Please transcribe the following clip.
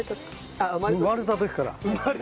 生まれた時から？